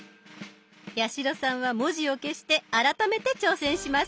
八代さんは文字を消して改めて挑戦します。